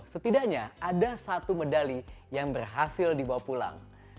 setidaknya ada satu medali yang berhasil dibawa pulang